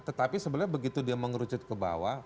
tetapi sebenarnya begitu dia mengerucut ke bawah